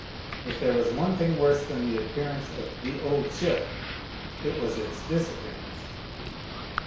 If there was one thing worse than the appearance of "The Old Ship*' it was its disappearance.